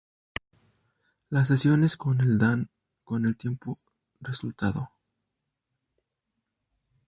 Las sesiones con el dan con el tiempo resultado.